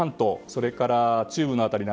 それから中部の辺り。